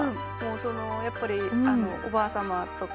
やっぱりおばあさまとか